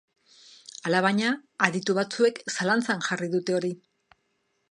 Alabaina, aditu batzuek zalantzan jarri dute hori.